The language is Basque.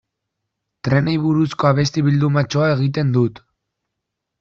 Trenei buruzko abesti bildumatxoa egiten dut.